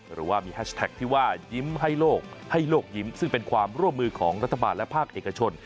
หรือว่ามีแฮชแท็กที่ว่ายิ้มให้โลกให้โลกยิ้มซึ่งเป็นความร่วมมือของรัฐบาลและภาคเอกชน